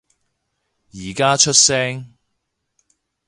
而家出聲